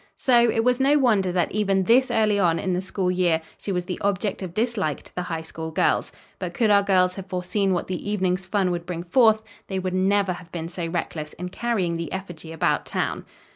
So, it was no wonder that even this early in the school year, she was the object of dislike to the High School girls. But could our girls have foreseen what the evening's fun would bring forth, they would never have been so reckless in carrying the effigy about town.